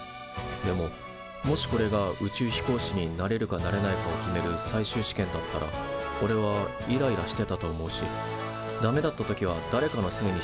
でももしこれが宇宙飛行士になれるかなれないかを決める最終試験だったらおれはイライラしてたと思うしダメだった時はだれかのせいにしてたんじゃないかと思う。